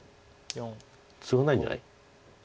ツガないんじゃない？